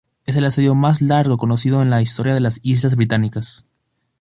Es el asedio más largo conocido en la historia de las islas británicas.